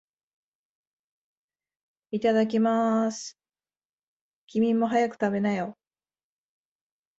いただきまーす。君も、早く食べなよ。